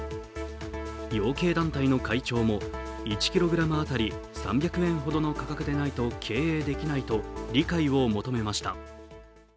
養鶏団体の会長も１ｋｇあたり３００円ほどの価格でないと経営できないと理解を求めました。